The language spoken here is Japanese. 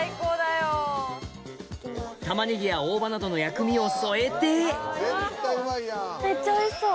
玉ねぎや大葉などの薬味を添えてめっちゃおいしそう。